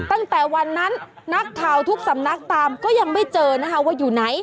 ตั้งแต่วันนั้นนักข่าวทุกสำนักตามก็ยังไม่เจอนะคะว่าอยู่ไหน